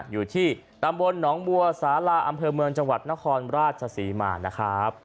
อยู่ที่ตำบลหนองบัวสาลาอำเภอเมืองจังหวัดนครราชศรีมานะครับ